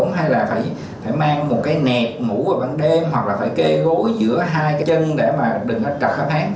hay là phải mang một cái nẹt ngủ vào bằng đêm hoặc là phải kê gối giữa hai cái chân để mà đừng có trật khớp háng